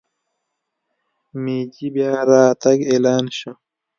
مېجي بیا راتګ اعلان شو.